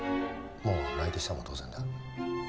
もう内定したも同然だ。